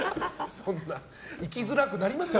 行きづらくなりますよ